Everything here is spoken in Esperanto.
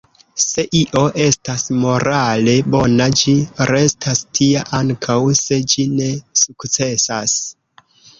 Se io estas morale bona, ĝi restas tia ankaŭ se ĝi ne sukcesas.